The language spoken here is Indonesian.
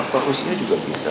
fokusnya juga bisa